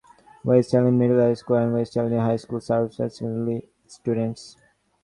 West Allegheny Middle School and West Allegheny High School serve secondary students.